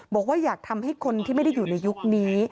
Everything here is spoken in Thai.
บอกว่าอยากทำให้คนที่ไม่ได้อยู่ในยุคนี้